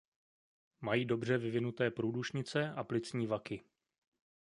Mají dobře vyvinuté průdušnice a plicní vaky.